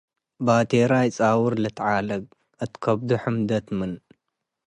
በ’ቴራይ ጻውር ልትዓለግ እት ከብዱ ሕምደት ምን